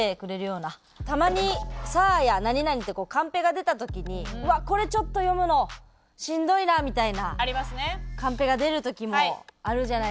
たまに「サーヤ何々」ってカンペが出た時にうわっこれちょっと読むのしんどいなみたいなカンペが出る時もあるじゃないですか。